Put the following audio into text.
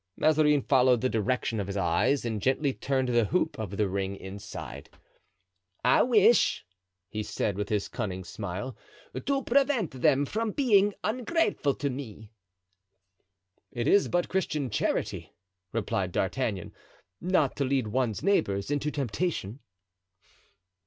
Mazarin followed the direction of his eyes and gently turned the hoop of the ring inside. "I wish," he said, with his cunning smile, "to prevent them from being ungrateful to me." "It is but Christian charity," replied D'Artagnan, "not to lead one's neighbors into temptation."